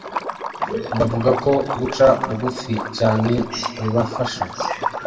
bavuga ko guca bugufi cyane bibafasha